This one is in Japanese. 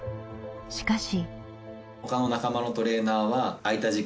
しかし。